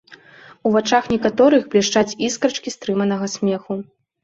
У вачах некаторых блішчаць іскрачкі стрыманага смеху.